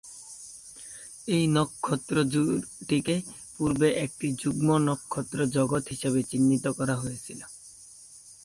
এই নক্ষত্র-জোড়টিকে পূর্বে একটি যুগ্ম-নক্ষত্র জগৎ হিসেবে চিহ্নিত করা হয়েছিল।